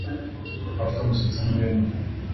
Afite umusatsi muremure